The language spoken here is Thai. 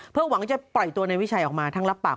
เพื่อหวังจะปล่อยตัวในวิชัยออกมาทั้งรับปาก